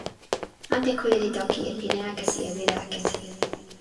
ante kule li toki e pilin akesi e wile akesi.